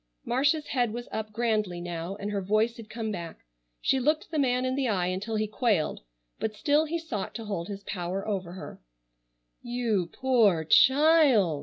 Marcia's head was up grandly now and her voice had come back. She looked the man in the eye until he quailed, but still he sought to hold his power over her. "You poor child!"